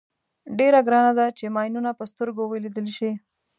ډېره ګرانه ده چې ماینونه په سترګو ولیدل شي.